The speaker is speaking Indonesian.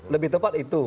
lebih tepat itu